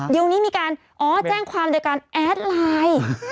เดี๋ยวนี้มีการอ๋อแจ้งความโดยการแอดไลน์